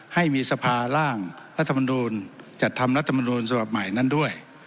ให้มีสภาร่างรัฐมนูลจัดทำรัฐมนูลฉบับใหม่นั้นด้วย